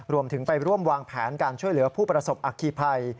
รวมถึงไปร่วมวางแผนการช่วยเหลือผู้ประสบอัคคีภัย